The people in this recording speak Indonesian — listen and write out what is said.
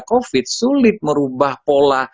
covid sulit merubah pola